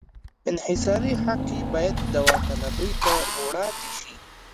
انحصاري حق یې باید داوطلبۍ ته وړاندې شي.